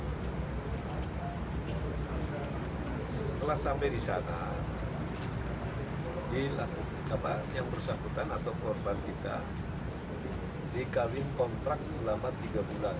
setelah sampai di sana yang bersangkutan atau korban kita dikawin kontrak selama tiga bulan